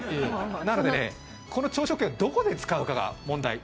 なので、この朝食券をどこで使うかが問題。